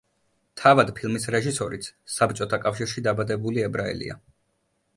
თავად ფილმის რეჟისორიც საბჭოთა კავშირში დაბადებული ებრაელია.